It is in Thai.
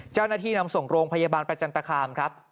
เจ้าหน้าที่นำส่งโรงพยาบาลประจันตคามครับ